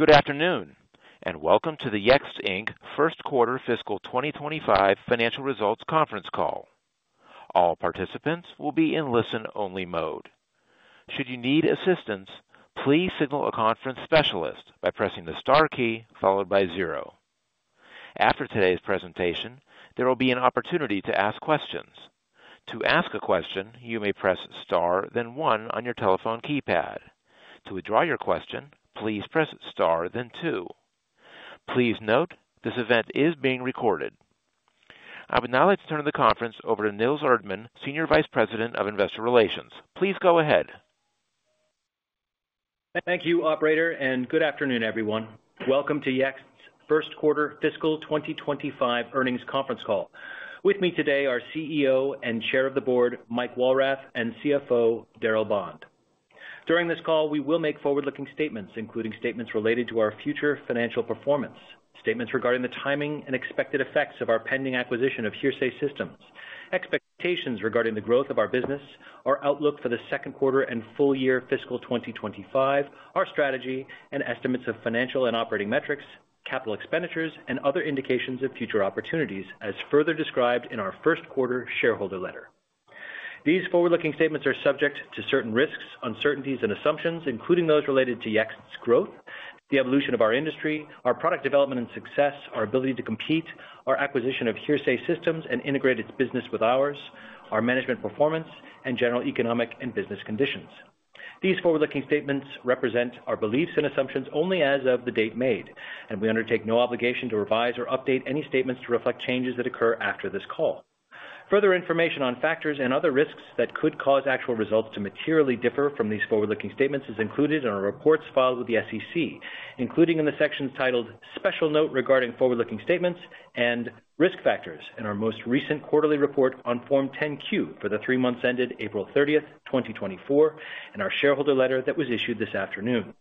Good afternoon, and welcome to the Yext Inc. First Quarter Fiscal 2025 Financial Results Conference Call. All participants will be in listen-only mode. Should you need assistance, please signal a conference specialist by pressing the star key followed by zero. After today's presentation, there will be an opportunity to ask questions. To ask a question, you may press star, then one on your telephone keypad. To withdraw your question, please press star, then two. Please note this event is being recorded. I would now like to turn the conference over to Nils Erdmann, Senior Vice President of Investor Relations. Please go ahead. Thank you, Operator, and good afternoon, everyone. Welcome to Yext's First Quarter Fiscal 2025 Earnings Conference Call. With me today are CEO and Chair of the Board, Mike Walrath, and CFO, Darryl Bond. During this call, we will make forward-looking statements, including statements related to our future financial performance, statements regarding the timing and expected effects of our pending acquisition of Hearsay Systems, expectations regarding the growth of our business, our outlook for the second quarter and full year Fiscal 2025, our strategy, and estimates of financial and operating metrics, capital expenditures, and other indications of future opportunities, as further described in our first quarter shareholder letter. These forward-looking statements are subject to certain risks, uncertainties, and assumptions, including those related to Yext's growth, the evolution of our industry, our product development and success, our ability to compete, our acquisition of Hearsay Systems and integrate its business with ours, our management performance, and general economic and business conditions. These forward-looking statements represent our beliefs and assumptions only as of the date made, and we undertake no obligation to revise or update any statements to reflect changes that occur after this call. Further information on factors and other risks that could cause actual results to materially differ from these forward-looking statements is included in our reports filed with the SEC, including in the sections titled "Special Note Regarding Forward-Looking Statements" and "Risk Factors" in our most recent quarterly report on Form 10-Q for the three months ended April 30, 2024, and our shareholder letter that was issued this afternoon.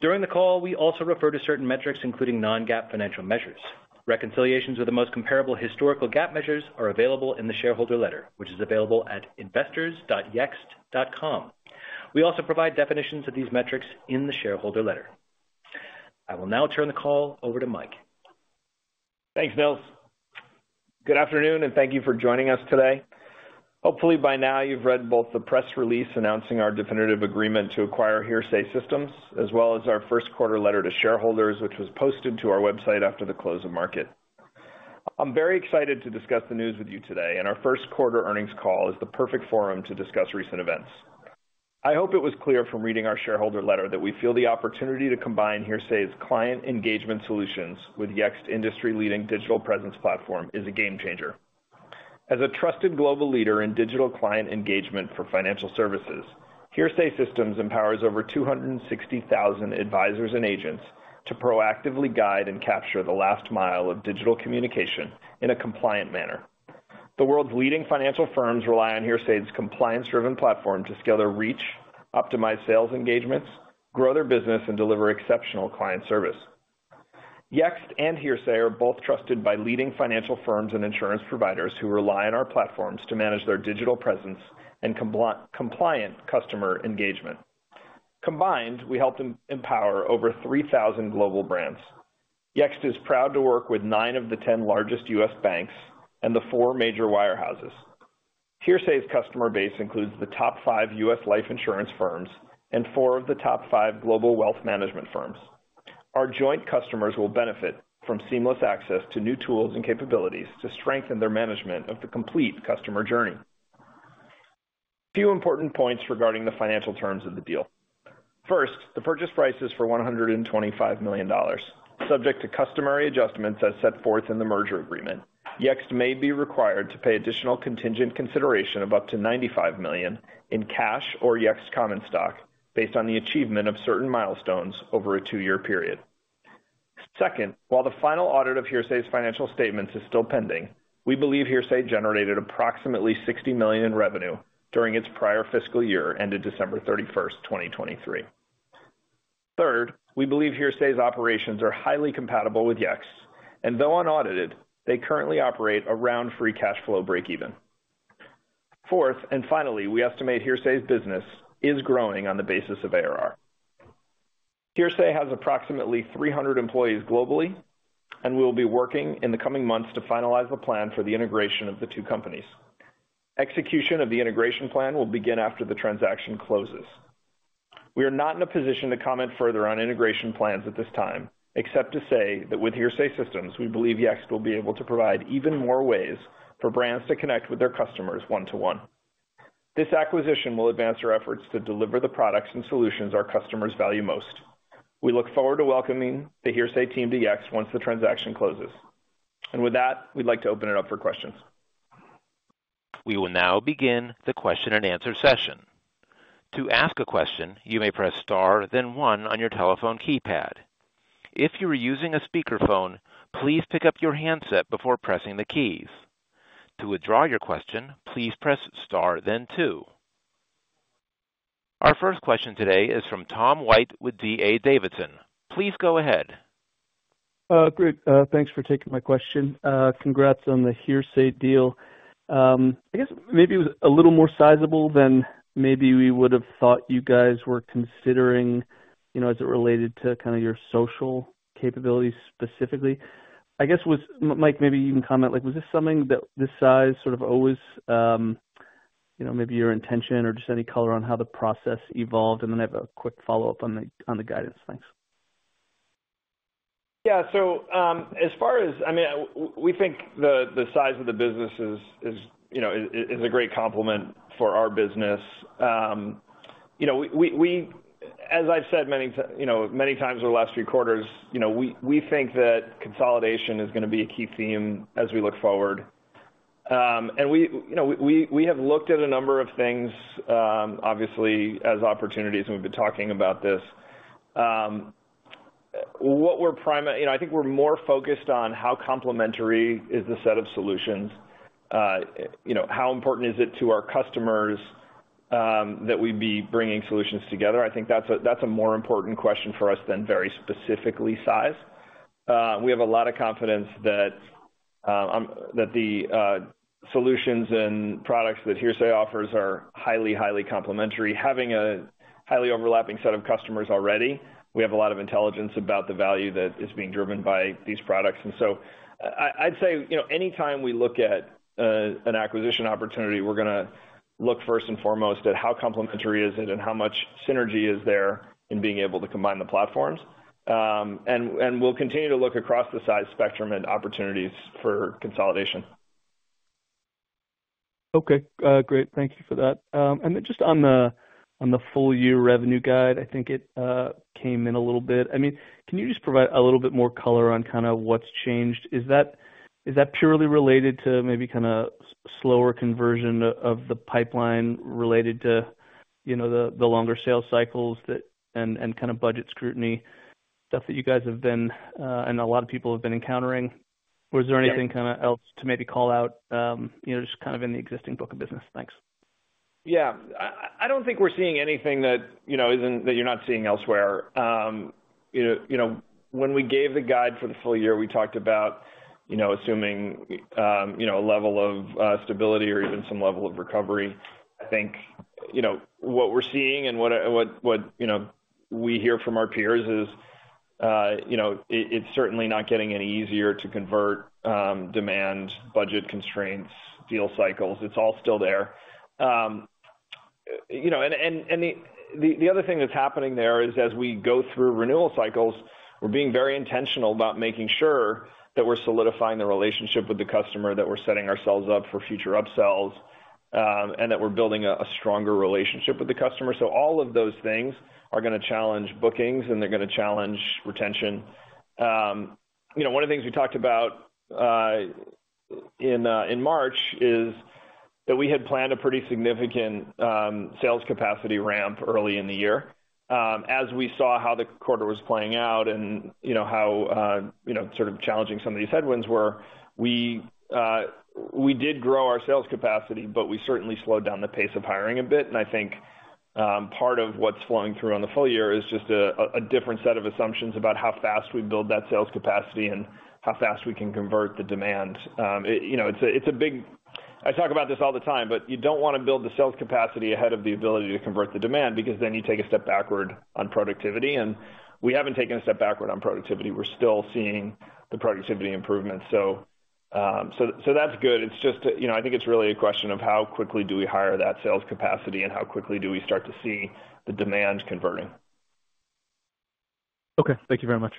During the call, we also refer to certain metrics, including non-GAAP financial measures. Reconciliations with the most comparable historical GAAP measures are available in the shareholder letter, which is available at investors.yext.com. We also provide definitions of these metrics in the shareholder letter. I will now turn the call over to Mike. Thanks, Nils. Good afternoon, and thank you for joining us today. Hopefully, by now, you've read both the press release announcing our definitive agreement to acquire Hearsay Systems, as well as our first quarter letter to shareholders, which was posted to our website after the close of market. I'm very excited to discuss the news with you today, and our first quarter earnings call is the perfect forum to discuss recent events. I hope it was clear from reading our shareholder letter that we feel the opportunity to combine Hearsay's client engagement solutions with Yext's industry-leading digital presence platform is a game changer. As a trusted global leader in digital client engagement for financial services, Hearsay Systems empowers over 260,000 advisors and agents to proactively guide and capture the last mile of digital communication in a compliant manner. The world's leading financial firms rely on Hearsay's compliance-driven platform to scale their reach, optimize sales engagements, grow their business, and deliver exceptional client service. Yext and Hearsay are both trusted by leading financial firms and insurance providers who rely on our platforms to manage their digital presence and compliant customer engagement. Combined, we help empower over 3,000 global brands. Yext is proud to work with nine of the ten largest U.S. banks and the four major wirehouses. Hearsay's customer base includes the top five U.S. life insurance firms and four of the top five global wealth management firms. Our joint customers will benefit from seamless access to new tools and capabilities to strengthen their management of the complete customer journey. A few important points regarding the financial terms of the deal. First, the purchase price is for $125 million, subject to customary adjustments as set forth in the merger agreement. Yext may be required to pay additional contingent consideration of up to $95 million in cash or Yext common stock based on the achievement of certain milestones over a two-year period. Second, while the final audit of Hearsay's financial statements is still pending, we believe Hearsay generated approximately $60 million in revenue during its prior fiscal year ended December 31, 2023. Third, we believe Hearsay's operations are highly compatible with Yext, and though unaudited, they currently operate around free cash flow break-even. Fourth, and finally, we estimate Hearsay's business is growing on the basis of ARR. Hearsay has approximately 300 employees globally and will be working in the coming months to finalize the plan for the integration of the two companies. Execution of the integration plan will begin after the transaction closes. We are not in a position to comment further on integration plans at this time, except to say that with Hearsay Systems, we believe Yext will be able to provide even more ways for brands to connect with their customers one-to-one. This acquisition will advance our efforts to deliver the products and solutions our customers value most. We look forward to welcoming the Hearsay team to Yext once the transaction closes. With that, we'd like to open it up for questions. We will now begin the question-and-answer session. To ask a question, you may press star, then one on your telephone keypad. If you are using a speakerphone, please pick up your handset before pressing the keys. To withdraw your question, please press star, then two. Our first question today is from Tom White with D.A. Davidson. Please go ahead. Great. Thanks for taking my question. Congrats on the Hearsay deal. I guess maybe it was a little more sizable than maybe we would have thought you guys were considering as it related to kind of your social capabilities specifically. I guess, Mike, maybe you can comment, was this something that this size sort of always maybe your intention or just any color on how the process evolved? And then I have a quick follow-up on the guidance. Thanks. Yeah. So as far as I mean, we think the size of the business is a great complement for our business. As I've said many times over the last three quarters, we think that consolidation is going to be a key theme as we look forward. And we have looked at a number of things, obviously, as opportunities, and we've been talking about this. What we're primarily, I think, we're more focused on how complementary is the set of solutions, how important is it to our customers that we be bringing solutions together. I think that's a more important question for us than very specifically size. We have a lot of confidence that the solutions and products that Hearsay offers are highly, highly complementary. Having a highly overlapping set of customers already, we have a lot of intelligence about the value that is being driven by these products. I'd say anytime we look at an acquisition opportunity, we're going to look first and foremost at how complementary is it and how much synergy is there in being able to combine the platforms. We'll continue to look across the size spectrum and opportunities for consolidation. Okay. Great. Thank you for that. And then just on the full year revenue guide, I think it came in a little bit. I mean, can you just provide a little bit more color on kind of what's changed? Is that purely related to maybe kind of slower conversion of the pipeline related to the longer sales cycles and kind of budget scrutiny, stuff that you guys have been and a lot of people have been encountering? Or is there anything kind of else to maybe call out just kind of in the existing book of business? Thanks. Yeah. I don't think we're seeing anything that you're not seeing elsewhere. When we gave the guide for the full year, we talked about assuming a level of stability or even some level of recovery. I think what we're seeing and what we hear from our peers is it's certainly not getting any easier to convert demand, budget constraints, deal cycles. It's all still there. And the other thing that's happening there is as we go through renewal cycles, we're being very intentional about making sure that we're solidifying the relationship with the customer, that we're setting ourselves up for future upsells, and that we're building a stronger relationship with the customer. So all of those things are going to challenge bookings, and they're going to challenge retention. One of the things we talked about in March is that we had planned a pretty significant sales capacity ramp early in the year. As we saw how the quarter was playing out and how sort of challenging some of these headwinds were, we did grow our sales capacity, but we certainly slowed down the pace of hiring a bit. And I think part of what's flowing through on the full year is just a different set of assumptions about how fast we build that sales capacity and how fast we can convert the demand. It's a biggie. I talk about this all the time, but you don't want to build the sales capacity ahead of the ability to convert the demand because then you take a step backward on productivity. And we haven't taken a step backward on productivity. We're still seeing the productivity improvement. So that's good. It's just I think it's really a question of how quickly do we hire that sales capacity and how quickly do we start to see the demand converting. Okay. Thank you very much.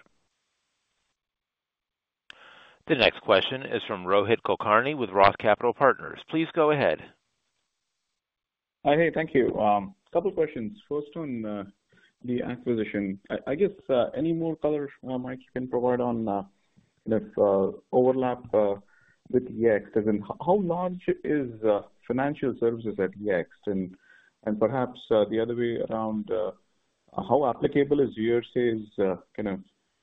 The next question is from Rohit Kulkarni with Roth Capital Partners. Please go ahead. Hi. Hey, thank you. A couple of questions. First on the acquisition. I guess any more color, Mike, you can provide on kind of overlap with Yext? How large is financial services at Yext? And perhaps the other way around, how applicable is Hearsay's kind of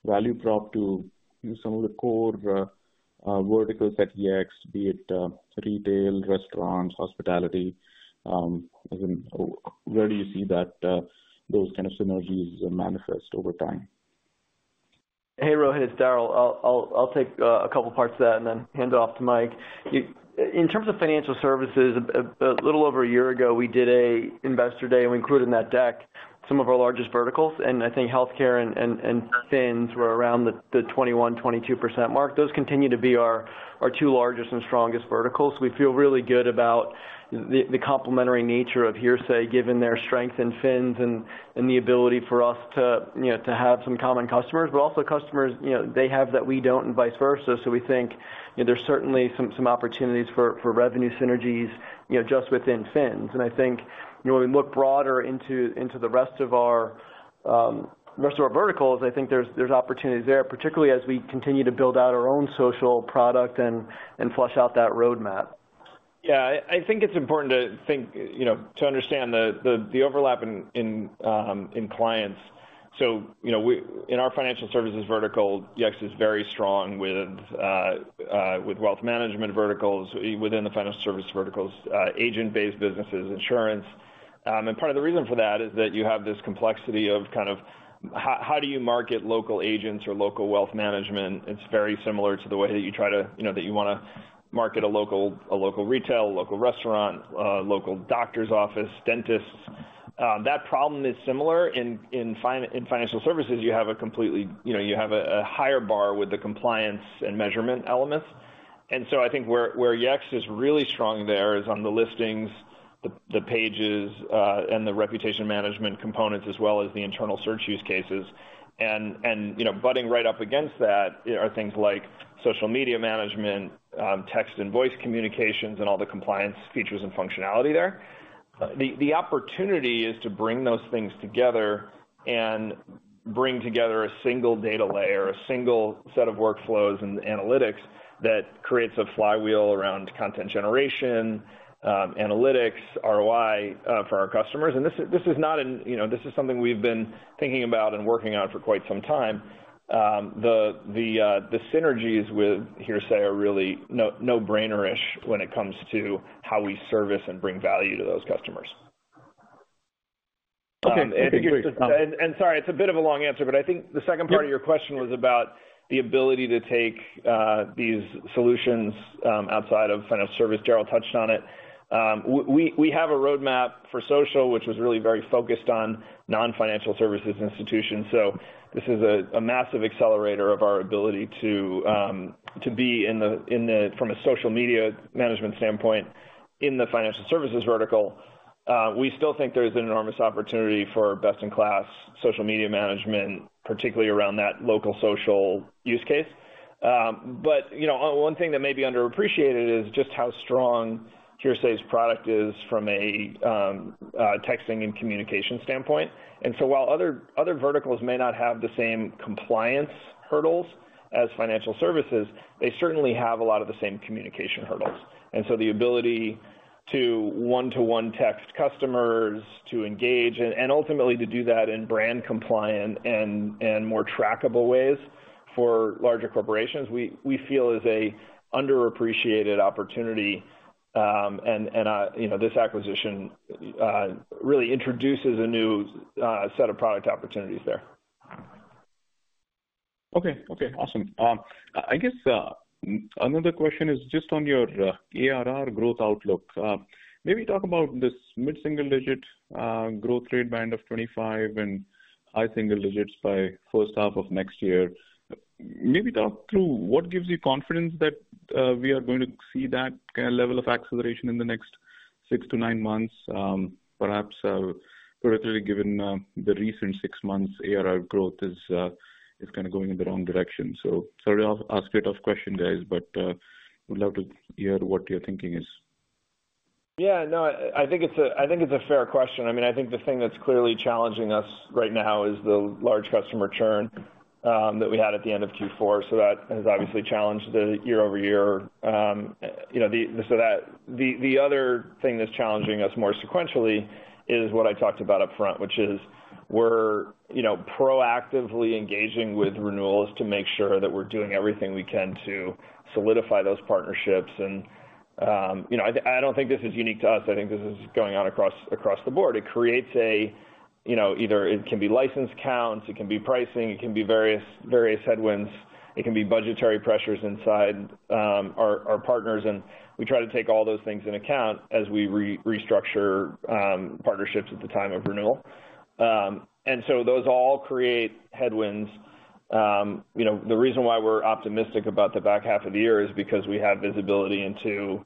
value prop to some of the core verticals at Yext, be it retail, restaurants, hospitality? Where do you see those kind of synergies manifest over time? Hey, Rohit. It's Darryl. I'll take a couple of parts of that and then hand it off to Mike. In terms of financial services, a little over a year ago, we did an investor day and we included in that deck some of our largest verticals. And I think healthcare and fins were around the 21%-22% mark. Those continue to be our two largest and strongest verticals. We feel really good about the complementary nature of Hearsay, given their strength in fins and the ability for us to have some common customers, but also customers they have that we don't and vice versa. So we think there's certainly some opportunities for revenue synergies just within fins. I think when we look broader into the rest of our verticals, I think there's opportunities there, particularly as we continue to build out our own social product and flush out that roadmap. Yeah. I think it's important to understand the overlap in clients. So in our financial services vertical, Yext is very strong with wealth management verticals, within the financial services verticals, agent-based businesses, insurance. And part of the reason for that is that you have this complexity of kind of how do you market local agents or local wealth management? It's very similar to the way that you want to market a local retail, local restaurant, local doctor's office, dentists. That problem is similar. In financial services, you have a higher bar with the compliance and measurement elements. And so I think where Yext is really strong there is on the listings, the pages, and the reputation management components, as well as the internal search use cases. And butting right up against that are things like social media management, text and voice communications, and all the compliance features and functionality there. The opportunity is to bring those things together and bring together a single data layer, a single set of workflows and analytics that creates a flywheel around content generation, analytics, ROI for our customers. And this is something we've been thinking about and working on for quite some time. The synergies with Hearsay are really no-brainer-ish when it comes to how we service and bring value to those customers. And sorry, it's a bit of a long answer, but I think the second part of your question was about the ability to take these solutions outside of financial services. Darryl touched on it. We have a roadmap for social, which was really very focused on non-financial services institutions. So this is a massive accelerator of our ability to be in the, from a social media management standpoint, in the financial services vertical. We still think there's an enormous opportunity for best-in-class social media management, particularly around that local social use case. But one thing that may be underappreciated is just how strong Hearsay's product is from a texting and communication standpoint. And so while other verticals may not have the same compliance hurdles as financial services, they certainly have a lot of the same communication hurdles. And so the ability to one-to-one text customers, to engage, and ultimately to do that in brand-compliant and more trackable ways for larger corporations, we feel is an underappreciated opportunity. And this acquisition really introduces a new set of product opportunities there. Okay. Okay. Awesome. I guess another question is just on your ARR growth outlook. Maybe talk about this mid-single-digit growth rate by end of 2025 and high single digits by first half of next year. Maybe talk through what gives you confidence that we are going to see that kind of level of acceleration in the next six to nine months, perhaps particularly given the recent six months ARR growth is kind of going in the wrong direction. So sorry to ask straight-off questions, guys, but would love to hear what your thinking is. Yeah. No, I think it's a fair question. I mean, I think the thing that's clearly challenging us right now is the large customer churn that we had at the end of Q4. So that has obviously challenged the year-over-year. So the other thing that's challenging us more sequentially is what I talked about upfront, which is we're proactively engaging with renewals to make sure that we're doing everything we can to solidify those partnerships. And I don't think this is unique to us. I think this is going on across the board. It creates a either it can be license counts. It can be pricing. It can be various headwinds. It can be budgetary pressures inside our partners. And we try to take all those things into account as we restructure partnerships at the time of renewal. And so those all create headwinds. The reason why we're optimistic about the back half of the year is because we have visibility into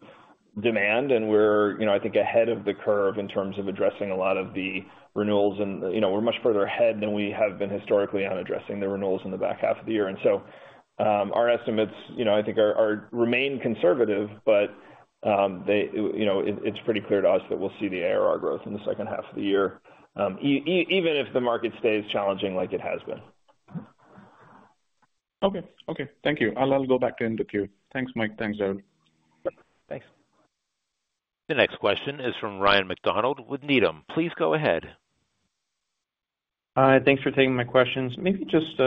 demand, and we're, I think, ahead of the curve in terms of addressing a lot of the renewals. And we're much further ahead than we have been historically on addressing the renewals in the back half of the year. And so our estimates, I think, remain conservative, but it's pretty clear to us that we'll see the ARR growth in the second half of the year, even if the market stays challenging like it has been. Okay. Okay. Thank you. I'll go back to end of Q. Thanks, Mike. Thanks, Darryl. Thanks. The next question is from Ryan MacDonald with Needham. Please go ahead. Hi. Thanks for taking my questions. Maybe just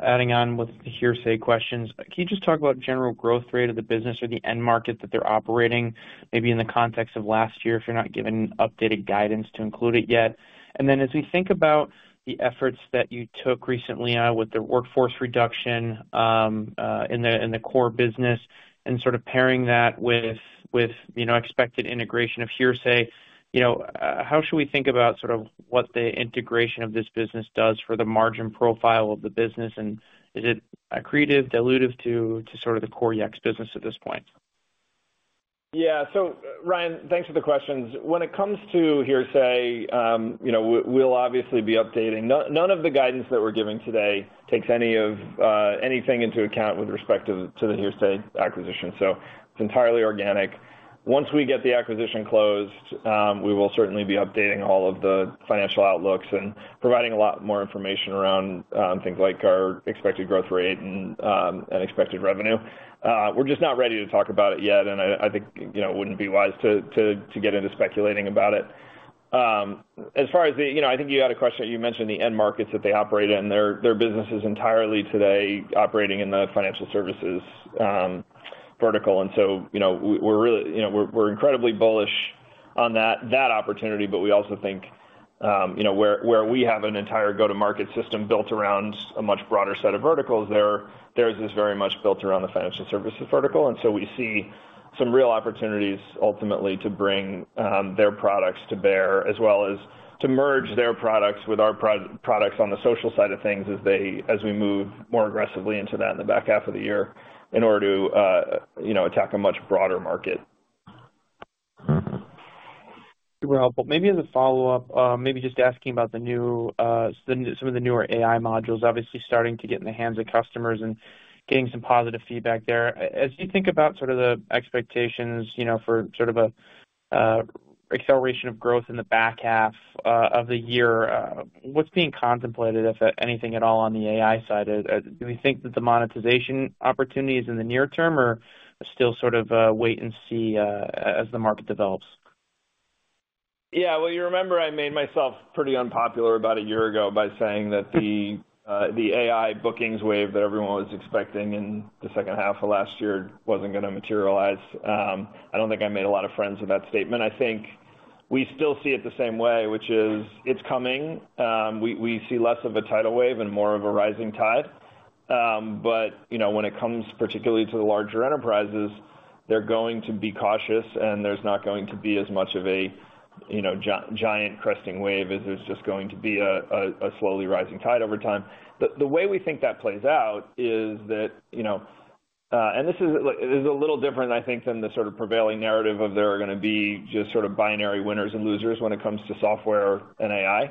adding on with the Hearsay questions. Can you just talk about general growth rate of the business or the end market that they're operating, maybe in the context of last year, if you're not given updated guidance to include it yet? And then as we think about the efforts that you took recently with the workforce reduction in the core business and sort of pairing that with expected integration of Hearsay, how should we think about sort of what the integration of this business does for the margin profile of the business? And is it accretive, dilutive to sort of the core Yext business at this point? Yeah. So Ryan, thanks for the questions. When it comes to Hearsay, we'll obviously be updating. None of the guidance that we're giving today takes anything into account with respect to the Hearsay acquisition. So it's entirely organic. Once we get the acquisition closed, we will certainly be updating all of the financial outlooks and providing a lot more information around things like our expected growth rate and expected revenue. We're just not ready to talk about it yet, and I think it wouldn't be wise to get into speculating about it. As far as, I think you had a question that you mentioned the end markets that they operate in. Their business is entirely today operating in the financial services vertical. We're incredibly bullish on that opportunity, but we also think where we have an entire go-to-market system built around a much broader set of verticals, theirs is very much built around the financial services vertical. We see some real opportunities ultimately to bring their products to bear as well as to merge their products with our products on the social side of things as we move more aggressively into that in the back half of the year in order to attack a much broader market. Super helpful. Maybe as a follow-up, maybe just asking about some of the newer AI modules, obviously starting to get in the hands of customers and getting some positive feedback there. As you think about sort of the expectations for sort of an acceleration of growth in the back half of the year, what's being contemplated, if anything at all, on the AI side? Do we think that the monetization opportunity is in the near term, or still sort of wait and see as the market develops? Yeah. Well, you remember I made myself pretty unpopular about a year ago by saying that the AI bookings wave that everyone was expecting in the second half of last year wasn't going to materialize. I don't think I made a lot of friends with that statement. I think we still see it the same way, which is it's coming. We see less of a tidal wave and more of a rising tide. But when it comes particularly to the larger enterprises, they're going to be cautious, and there's not going to be as much of a giant cresting wave as there's just going to be a slowly rising tide over time. The way we think that plays out is that, and this is a little different, I think, than the sort of prevailing narrative of there are going to be just sort of binary winners and losers when it comes to software and AI.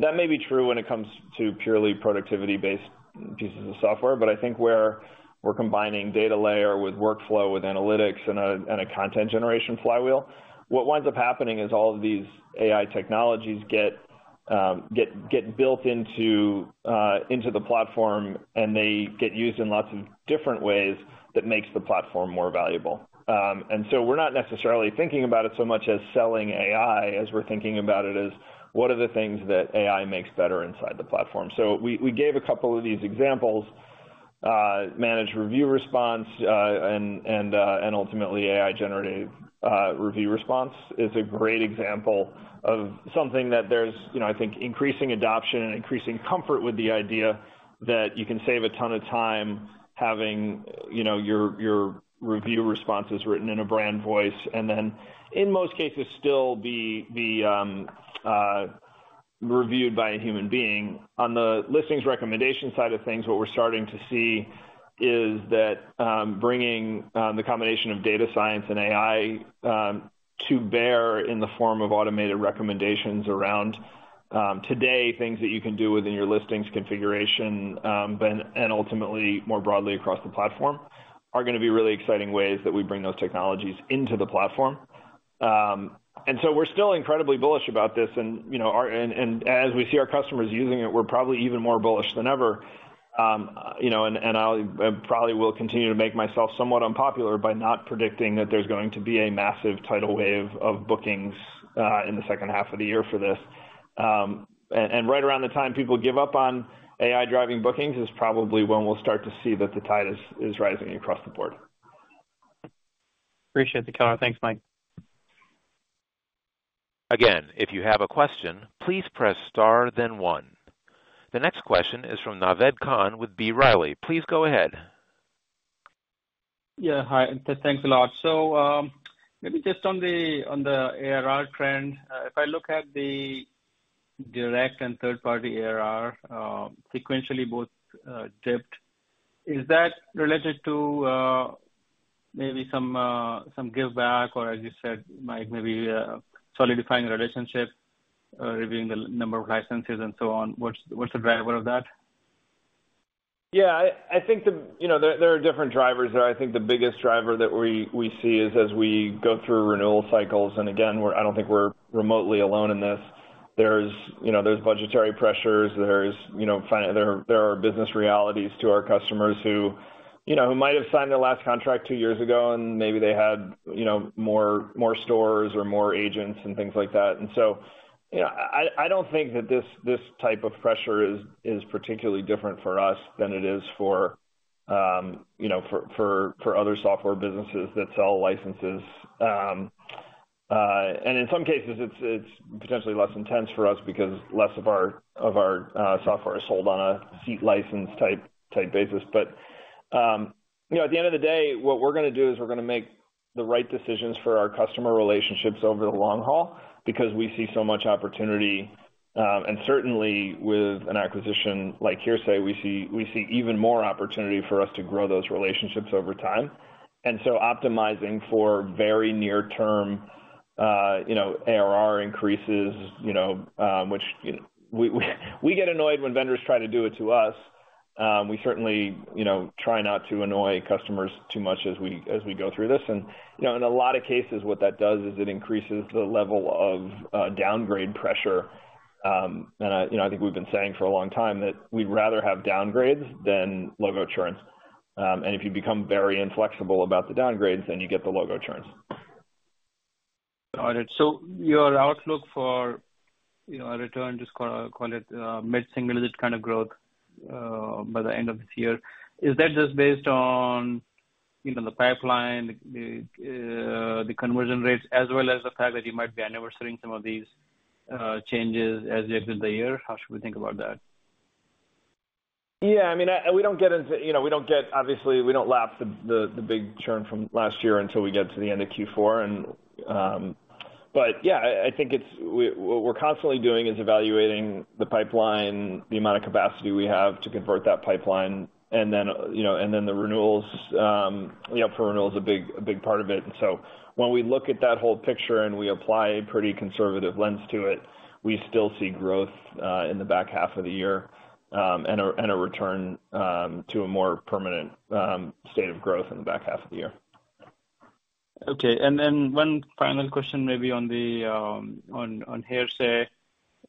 That may be true when it comes to purely productivity-based pieces of software. But I think where we're combining data layer with workflow with analytics and a content generation flywheel, what winds up happening is all of these AI technologies get built into the platform, and they get used in lots of different ways that makes the platform more valuable. And so we're not necessarily thinking about it so much as selling AI as we're thinking about it as what are the things that AI makes better inside the platform. So we gave a couple of these examples. Managed review response and ultimately AI-generated review response is a great example of something that there's, I think, increasing adoption and increasing comfort with the idea that you can save a ton of time having your review responses written in a brand voice and then, in most cases, still be reviewed by a human being. On the listings recommendation side of things, what we're starting to see is that bringing the combination of data science and AI to bear in the form of automated recommendations around today, things that you can do within your listings configuration and ultimately more broadly across the platform are going to be really exciting ways that we bring those technologies into the platform. And so we're still incredibly bullish about this. And as we see our customers using it, we're probably even more bullish than ever. And I probably will continue to make myself somewhat unpopular by not predicting that there's going to be a massive tidal wave of bookings in the second half of the year for this. And right around the time people give up on AI-driving bookings is probably when we'll start to see that the tide is rising across the board. Appreciate the color. Thanks, Mike. Again, if you have a question, please press star, then one. The next question is from Naved Khan with B. Riley. Please go ahead. Yeah. Hi. Thanks a lot. So maybe just on the ARR trend, if I look at the direct and third-party ARR sequentially both dipped, is that related to maybe some give back or, as you said, Mike, maybe solidifying relationships, reviewing the number of licenses and so on? What's the driver of that? Yeah. I think there are different drivers there. I think the biggest driver that we see is as we go through renewal cycles. And again, I don't think we're remotely alone in this. There's budgetary pressures. There are business realities to our customers who might have signed their last contract two years ago, and maybe they had more stores or more agents and things like that. And so I don't think that this type of pressure is particularly different for us than it is for other software businesses that sell licenses. And in some cases, it's potentially less intense for us because less of our software is sold on a seat license type basis. But at the end of the day, what we're going to do is we're going to make the right decisions for our customer relationships over the long haul because we see so much opportunity. Certainly, with an acquisition like Hearsay, we see even more opportunity for us to grow those relationships over time. So optimizing for very near-term ARR increases, which we get annoyed when vendors try to do it to us. We certainly try not to annoy customers too much as we go through this. In a lot of cases, what that does is it increases the level of downgrade pressure. I think we've been saying for a long time that we'd rather have downgrades than logo churns. If you become very inflexible about the downgrades, then you get the logo churns. Got it. So your outlook for a return, just call it mid-single digit kind of growth by the end of this year, is that just based on the pipeline, the conversion rates, as well as the fact that you might be anniversarying some of these changes as we exit the year? How should we think about that? Yeah. I mean, we don't get into, obviously, we don't lap the big churn from last year until we get to the end of Q4. But yeah, I think what we're constantly doing is evaluating the pipeline, the amount of capacity we have to convert that pipeline, and then the renewals. For renewals, a big part of it. And so when we look at that whole picture and we apply a pretty conservative lens to it, we still see growth in the back half of the year and a return to a more permanent state of growth in the back half of the year. Okay. And then one final question maybe on Hearsay.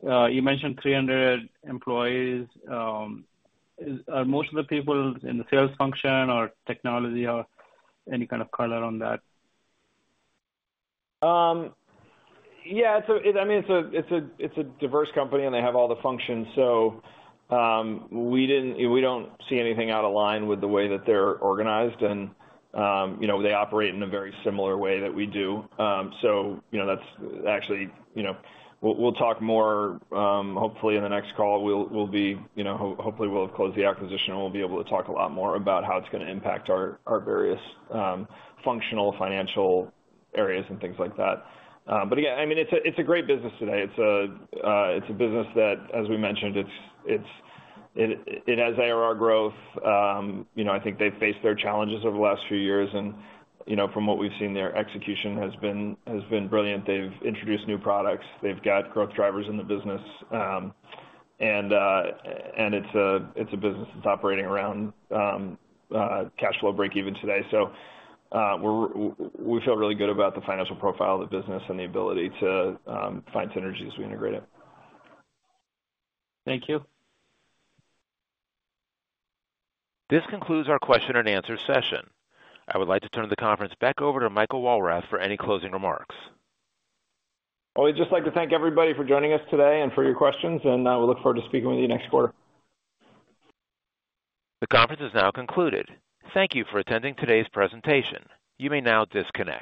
You mentioned 300 employees. Are most of the people in the sales function or technology or any kind of color on that? Yeah. I mean, it's a diverse company, and they have all the functions. So we don't see anything out of line with the way that they're organized. And they operate in a very similar way that we do. So that's actually we'll talk more, hopefully, in the next call. Hopefully, we'll have closed the acquisition, and we'll be able to talk a lot more about how it's going to impact our various functional financial areas and things like that. But yeah, I mean, it's a great business today. It's a business that, as we mentioned, it has ARR growth. I think they've faced their challenges over the last few years. And from what we've seen, their execution has been brilliant. They've introduced new products. They've got growth drivers in the business. And it's a business that's operating around cash flow break-even today. We feel really good about the financial profile of the business and the ability to find synergies as we integrate it. Thank you. This concludes our question and answer session. I would like to turn the conference back over to Michael Walrath for any closing remarks. I would just like to thank everybody for joining us today and for your questions. We'll look forward to speaking with you next quarter. The conference is now concluded. Thank you for attending today's presentation. You may now disconnect.